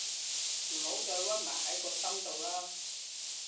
唔好再屈埋喺個心度喇